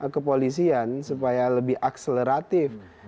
kepolisian supaya lebih akseleratif